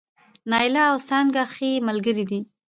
نايله او څانګه ښې ملګرې دي